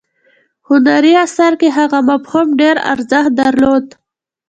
هنري اثر کې هغه مفهوم ډیر ارزښت درلود.